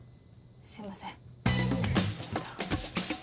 すいません。